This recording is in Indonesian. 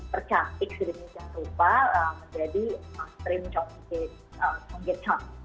percantik sedikit yang serupa menjadi stream cheonggyecheon